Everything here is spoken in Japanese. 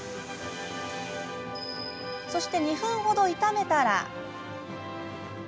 そして、２分ほど炒めたら。